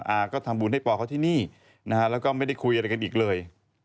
อาก็ทำบุญให้ปอเขาที่นี่นะฮะแล้วก็ไม่ได้คุยอะไรกันอีกเลย